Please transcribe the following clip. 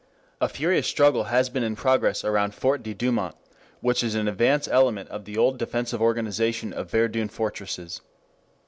A furious struggle has been in progress around Fort de Douaumont which is an advance element of the old defensive organization of Verdun fortresses.